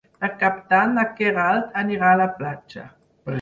Per Cap d'Any na Queralt anirà a la platja.